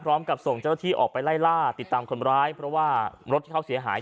ส่งเจ้าหน้าที่ออกไปไล่ล่าติดตามคนร้ายเพราะว่ารถที่เขาเสียหาย